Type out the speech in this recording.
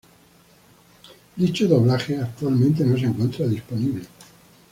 Dicho doblaje actualmente no se encuentra disponible.